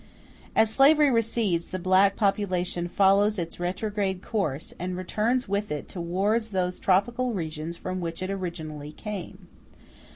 As slavery recedes, the black population follows its retrograde course, and returns with it towards those tropical regions from which it originally came.